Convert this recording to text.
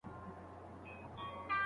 زه هره ورځ د سبا لپاره د سبا پلان جوړوم.